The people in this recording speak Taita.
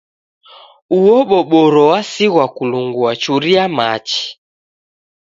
Uo boboro wasighwa kulungua churia machi